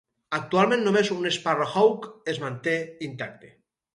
Actualment només un Sparrowhawk es manté intacte.